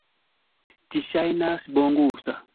Ĝi ŝajnas bongusta.